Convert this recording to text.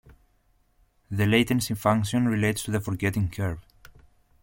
The latency function relates to the forgetting curve.